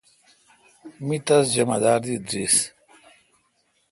می تس جمدار دی درس۔